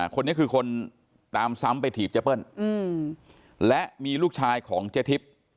คนนี้คือคนตามซ้ำไปถีบเจ๊เปิ้ลและมีลูกชายของเจ๊ทิพย์